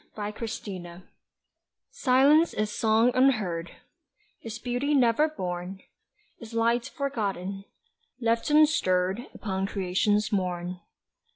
SILENCE Silence is song unheard, Is beauty never born, Is light forgotten left unstirred Upon Creation's morn.